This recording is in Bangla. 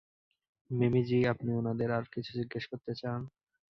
মিমি জি, আপনি উনাদের আর কিছু জিজ্ঞেস করতে চান?